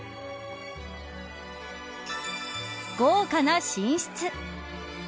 豪華な寝室。